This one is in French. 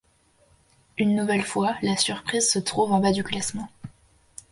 Une nouvelle fois, la surprise se trouve en bas du classement.